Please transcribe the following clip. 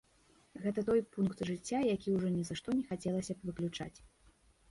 Гэта той пункт жыцця, які ўжо ні за што не хацелася б выключаць.